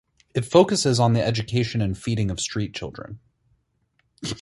It focuses on the education and feeding of street children.